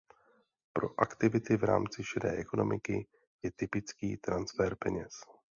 Pro aktivity v rámci šedé ekonomiky je typický transfer peněz.